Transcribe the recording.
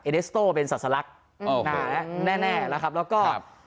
เอเนสโต้เป็นสัสลักแน่แล้วก็